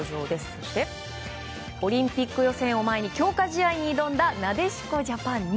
そして、オリンピック予選を前に強化試合に挑んだなでしこジャパンに。